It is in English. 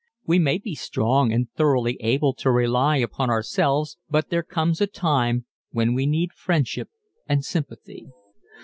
We may be strong and thoroughly able to rely upon ourselves but there comes a time when we need friendship and sympathy.